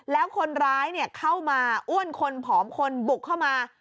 แล้วคนร้ายเข้ามาอ้วนคนผอมคนบุกเข้ามา